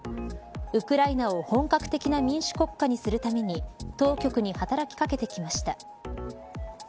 ウクライナを本格的な民主国家にするために当局に働きかけてきました。